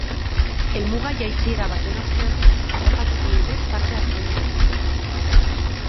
Helmuga jaitsiera baten ostean harrapatuko dute parte-hartzaileek.